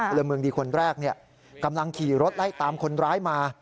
ละเมืองดีคนแรกกำลังขี่รถไล่ตามคนร้ายมา